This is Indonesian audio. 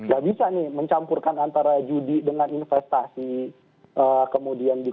gak bisa nih mencampurkan antara judi dengan investasi kemudian juga skema ponzi dengan investasi